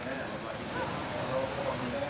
กลับมาที่นี่